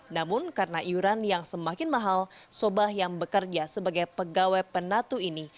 namun karena iuran yang semakin mahal sobah yang bekerja sebagai pegawai penatu ini